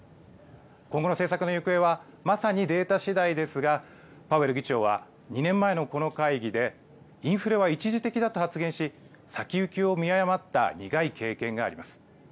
今後の政策の行方は、まさにデータしだいですが、パウエル議長は、２年前のこの会議で、インフレは一時的だと発言し、先行きを見誤った苦い経験があります。